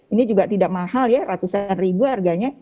ini juga tidak mahal ya ratusan ribu harganya